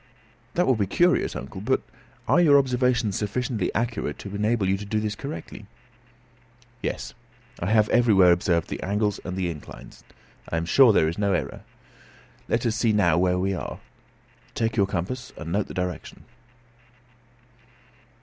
"That will be curious, uncle; but are your observations sufficiently accurate to enable you to do this correctly?" "Yes; I have everywhere observed the angles and the inclines. I am sure there is no error. Let us see where we are now. Take your compass, and note the direction."